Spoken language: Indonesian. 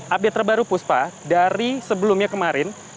update terbaru puspa dari sebelumnya kemarin